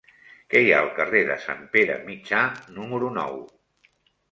Què hi ha al carrer de Sant Pere Mitjà número nou?